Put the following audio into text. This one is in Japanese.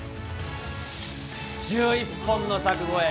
１１本の柵越え。